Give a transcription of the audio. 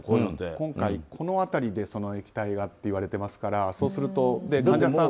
今回、この辺りで液体がといわれていますからそうすると。